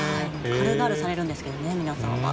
軽々されるんですけどね皆さんは。